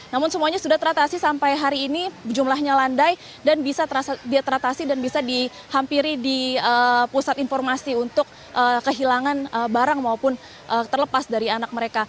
namun semuanya sudah teratasi sampai hari ini jumlahnya landai dan bisa teratasi dan bisa dihampiri di pusat informasi untuk kehilangan barang maupun terlepas dari anak mereka